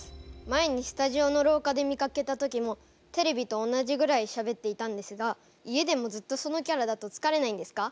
前にスタジオの廊下で見かけた時もテレビと同じぐらいしゃべっていたんですが家でもずっとそのキャラだとつかれないんですか？